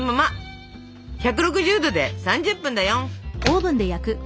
１６０℃で３０分だよ！